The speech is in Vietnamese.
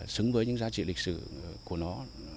xứng với những giá trị lịch sử của nó